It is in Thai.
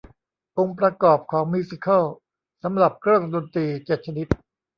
องค์ประกอบของมิวสิคัลสำหรับเครื่องดนตรีเจ็ดชนิด